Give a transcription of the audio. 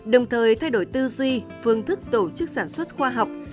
đồng thời thay đổi tư duy phương thức tổ chức sản xuất khoa học